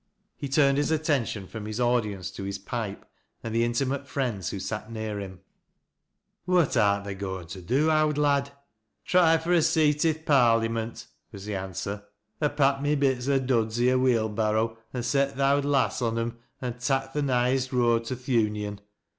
He turned his attention from his audience to his pipe, and the intimate friends who sat near him. " What art tha goin' to do, owd lad ?" asked one. " Try fur a seat i' Parlyment," was the answer, " or pack my bits o' duds i' a wheelbarrow, an' set th' owd lass on 'em an' tak' th' nighest road to th' Union.